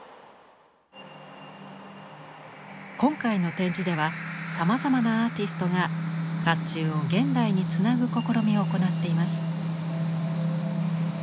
今回の展示ではさまざまなアーティストが甲冑を現代につなぐ試みを行っています。